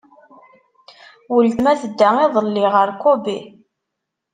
Weltma tedda iḍelli ɣer Kobe.